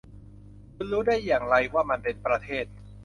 คุณรู้ได้อย่างไรว่ามันเป็นประเทศ